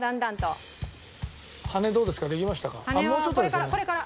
羽根はこれからこれから。